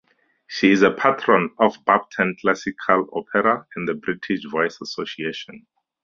She is a Patron of Bampton Classical Opera and the British Voice Association.